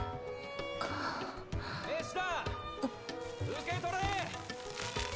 受け取れ！